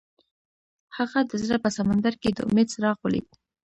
هغه د زړه په سمندر کې د امید څراغ ولید.